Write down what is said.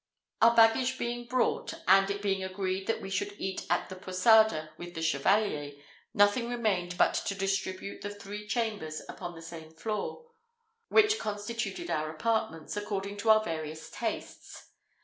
Our baggage being brought, and it being agreed that we should eat at the posada with the Chevalier, nothing remained but to distribute the three chambers upon the same floor, which constituted our apartments, according to our various tastes.